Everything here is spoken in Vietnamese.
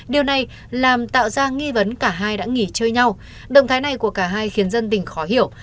điều này làm tạo ra nghi vấn cả hai đã nghỉ chơi nhau động thái này của cả hai khiến dân tình khó hiểu